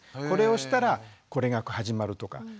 これをしたらこれが始まるとか。